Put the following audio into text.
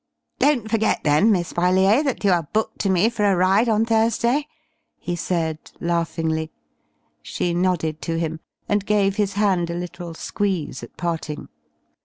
"Don't forget, then, Miss Brellier, that you are booked to me for a ride on Thursday," he said, laughingly. She nodded to him and gave his hand a little squeeze at parting.